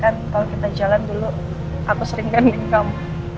kebiasaan kan kalau kita jalan dulu aku sering ganding kamu